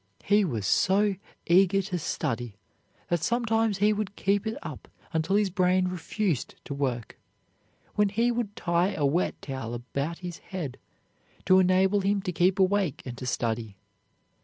He was so eager to study that sometimes he would keep it up until his brain refused to work, when he would tie a wet towel about his head to enable him to keep awake and to study.